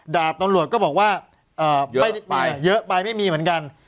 ดาบต้นรวจก็บอกว่าเอ่อเยอะไปไม่มีเหมือนกัน